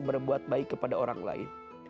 berbuat baik kepada orang lain